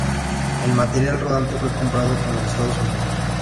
El material rodante fue comprado en los Estados Unidos.